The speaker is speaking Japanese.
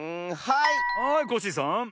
はいコッシーさん。